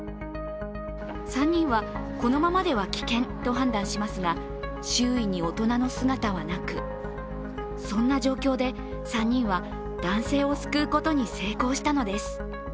３人は、このままでは危険と判断しますが、周囲に大人の姿はなく、そんな状況で、３人は男性を救うことに成功したのです。